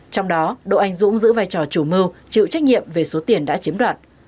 trong đó đỗ anh dũng giữ vai trò chủ mưu chịu trách nhiệm về số tiền đã chiếm đoạt